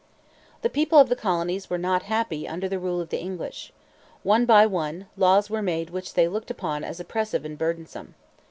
The people of the colonies were not happy under the rule of the English. One by one, laws were made which they looked upon as oppressive and burdensome.